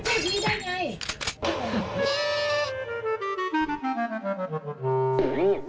แต่มันไม่ถูกก็โห